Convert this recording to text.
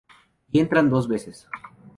Y entran dos veces.